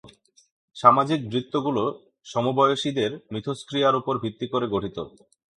সামাজিক বৃত্তগুলো সমবয়সীদের মিথস্ক্রিয়ার উপর ভিত্তি করে গঠিত।